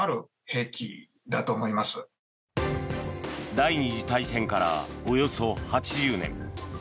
第２次大戦からおよそ８０年。